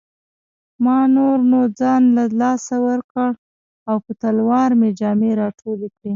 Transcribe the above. ما نور نو ځان له لاسه ورکړ او په تلوار مې جامې راټولې کړې.